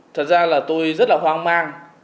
thật ra là tôi rất là hoang mang